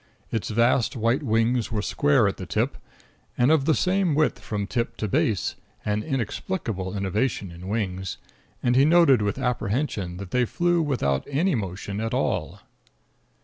Its vast white wings were square at the tip, and of the same width from tip to base an inexplicable innovation in wings and he noted with apprehension that they flew without any motion at all.